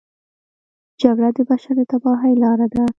جګړه د بشر د تباهۍ لاره ده